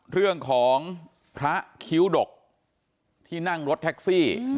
เรื่องของพระคิ้วดกที่นั่งรถแท็กซี่